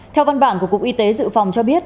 theo văn bản của cục y tế dự phòng cho biết